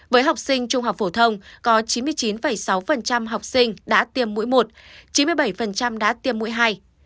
với học sinh trung học phổ thông có chín mươi chín sáu học sinh đã tiêm mũi một chín mươi bảy đã tiêm mũi hai